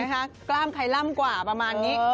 กล้ามใครล่ำกว่าประมาณนี้